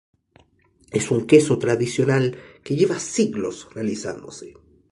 Es un queso tradicional que lleva siglos realizándose.